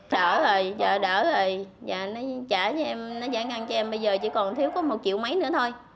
đỡ rồi đỡ rồi nó giải ngân cho em bây giờ chỉ còn thiếu có một triệu mấy nữa thôi